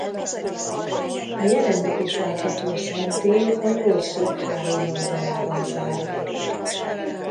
A jelenleg is látható szentély a nyolcszög három oldalával záródik.